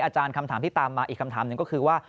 อาจารย์คำถามที่ตามมาอีกคำถามหนึ่งก็คือว่า